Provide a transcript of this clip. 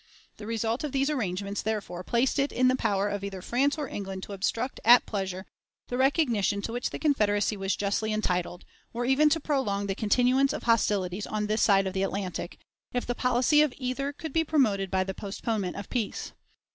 The result of these arrangements, therefore, placed it in the power of either France or England to obstruct at pleasure the recognition to which the Confederacy was justly entitled, or even to prolong the continuance of hostilities on this side of the Atlantic, if the policy of either could be promoted by the postponement of peace.